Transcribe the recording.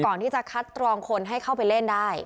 ที่จะคัดกรองคนให้เข้าไปเล่นได้